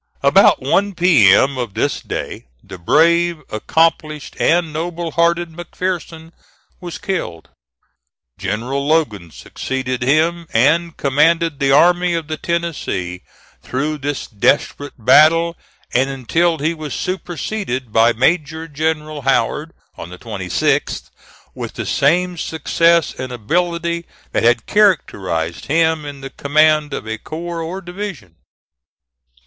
About one P.M. of this day the brave, accomplished, and noble hearted McPherson was killed. General Logan succeeded him, and commanded the Army of the Tennessee through this desperate battle, and until he was superseded by Major General Howard, on the 26th, with the same success and ability that had characterized him in the command of a corps or division.